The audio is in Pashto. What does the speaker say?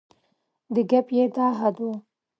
د ګپ یې دا حد و.